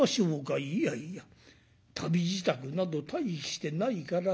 「いやいや旅支度など大してないから大丈夫だ。